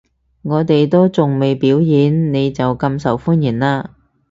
我哋都仲未表演，你就咁受歡迎喇